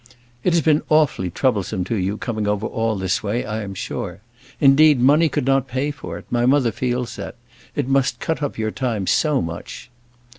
"It has been awfully troublesome to you, coming over all this way, I am sure. Indeed, money could not pay for it; my mother feels that. It must cut up your time so much."